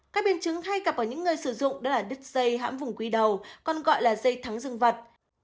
các biến chứng hay gặp ở những người sử dụng đó là đứt dây hãm vùng quy đầu còn gọi là dây thắng dương vật